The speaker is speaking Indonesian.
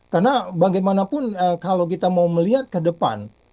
karena bagaimanapun kalau kita mau melihat ke depan